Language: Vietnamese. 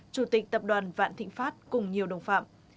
chủ tịch tập đoàn vạn thịnh pháp cùng nhiều đồng phạm